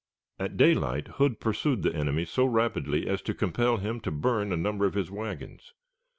At daylight Hood pursued the enemy so rapidly as to compel him to burn a number of his wagons.